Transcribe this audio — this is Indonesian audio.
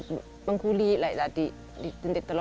ndek kuah sama sekali